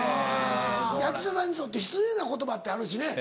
役者さんにとって失礼な言葉ってあるしね。